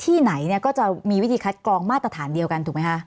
ที่ไหนเนี่ยก็จะมีวิธีคัดกรองมาตรฐานเดียวกันถูกไหมคะ